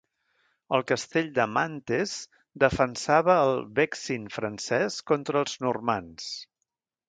El castell de Mantes defensava el Vexin francès contra els normands.